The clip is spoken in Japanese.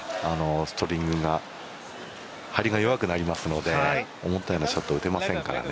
ストリングが張りが弱くなりますので、思ったようなショットが打てませんからね。